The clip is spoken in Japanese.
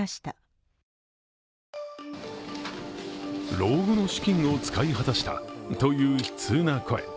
老後の資金を使い果たしたという悲痛な声。